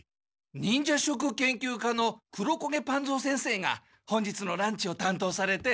忍者食研究家の黒古毛般蔵先生が本日のランチを担当されて。